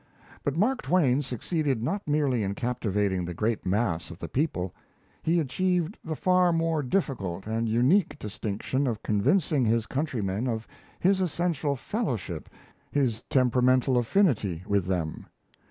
But Mark Twain succeeded not merely in captivating the great mass of the people; he achieved the far more difficult and unique distinction of convincing his countrymen of his essential fellowship, his temperamental affinity, with them.